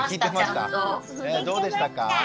どうでしたか？